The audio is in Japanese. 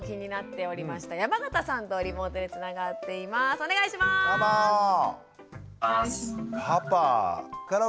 お願いします。